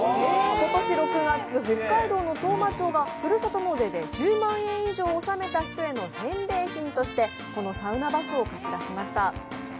今年６月、北海道の当麻町がふるさと納税で１０万円以上納めた人への返礼品としてこのサウナバスを貸し出しました。